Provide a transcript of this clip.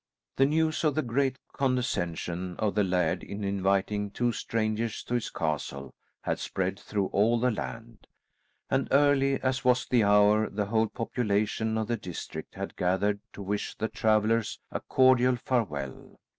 The news of the great condescension of the laird in inviting two strangers to his castle had spread through all the land, and, early as was the hour, the whole population of the district had gathered to wish the travellers a cordial farewell.